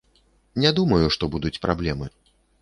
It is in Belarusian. Не думаю, што будуць праблемы.